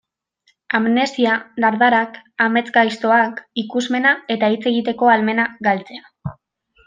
Amnesia, dardarak, amesgaiztoak, ikusmena eta hitz egiteko ahalmena galtzea...